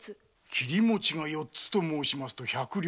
切り餅が四つと申しますと百両。